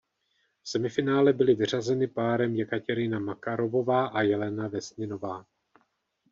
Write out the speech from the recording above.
V semifinále byly vyřazeny párem Jekatěrina Makarovová a Jelena Vesninová.